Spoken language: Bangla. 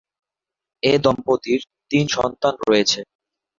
এ দম্পতির তিন সন্তান রয়েছে।